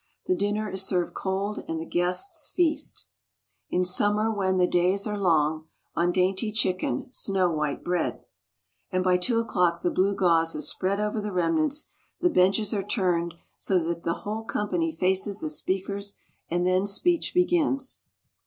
The dinner is served cold, and the guests feast "In summer, when the days are long, On dainty chicken, snow white bread," and by two o'clock the blue gauze is spread over the remnants, the benches are turned so that the whole company faces the speakers, and then speech begins.